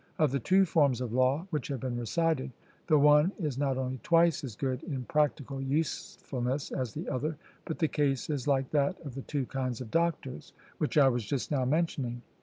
Of the two forms of law which have been recited, the one is not only twice as good in practical usefulness as the other, but the case is like that of the two kinds of doctors, which I was just now mentioning.